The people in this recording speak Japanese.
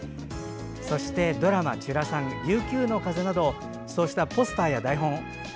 そしてドラマ「ちゅらさん」「琉球の風」などのポスターや台本